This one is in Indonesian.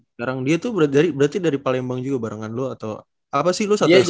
sekarang dia tuh berarti dari palembang juga barengan lo atau apa sih los atau